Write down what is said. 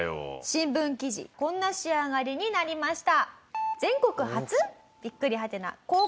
新聞記事こんな仕上がりになりました。